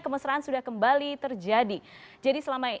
kemesraan sudah kembali terjadi